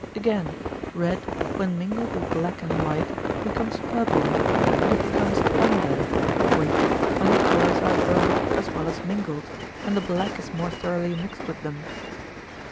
Again, red, when mingled with black and white, becomes purple, but it becomes umber (Greek) when the colours are burnt as well as mingled and the black is more thoroughly mixed with them.